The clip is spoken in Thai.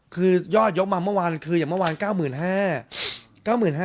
คือยอดยกมาเมื่อวานคืออย่างเมื่อวาน๙๕๐๐